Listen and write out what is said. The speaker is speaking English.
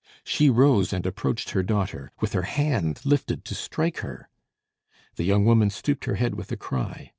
She rose and approached her daughter, with her hand lifted to strike her. The young woman stooped her head with a cry.